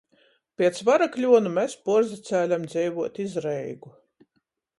Piec Varakļuonu mes puorsacēlem dzeivuot iz Reigu.